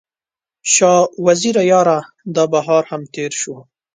شاه وزیره یاره، دا بهار هم تیر شو